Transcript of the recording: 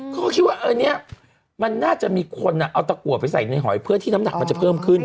เขาก็คิดว่าอันนี้มันน่าจะมีคนเอาตะกัวไปใส่ในหอยเพื่อที่น้ำหนักมันจะเพิ่มขึ้น